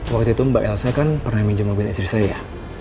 waktu itu mbak elsa kan pernah minjem mobil listrik saya